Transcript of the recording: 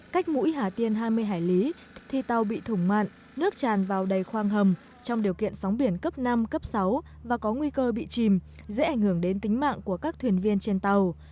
cách mũi hà tiên hai mươi hải lý thì tàu bị thủng mạn nước tràn vào đầy khoang hầm trong điều kiện sóng biển cấp năm cấp sáu và có nguy cơ bị chìm dễ ảnh hưởng đến tính mạng của các thuyền viên trên tàu